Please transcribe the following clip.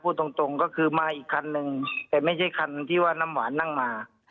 ตรงตรงก็คือมาอีกคันนึงแต่ไม่ใช่คันที่ว่าน้ำหวานนั่งมา